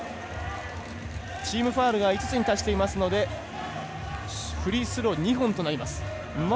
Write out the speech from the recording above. チームファウルが５つに達していますのでフリースロー２本となります。